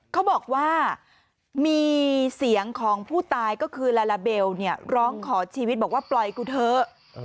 เขาบอกว่ามีเสียงของผู้ตายก็คือลาลาเบลร้องขอชีวิตบอกว่าปล่อยกูเถอะ